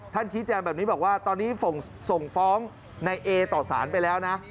ชี้แจงแบบนี้บอกว่าตอนนี้ส่งฟ้องในเอต่อสารไปแล้วนะ